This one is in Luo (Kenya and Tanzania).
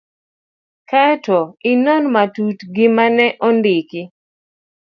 Kae to inon matut gima ne ondiki.